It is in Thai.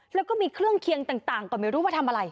แล้วก็มีเครื่องเคียงต่างก็ไม่รู้ว่าทำอะไร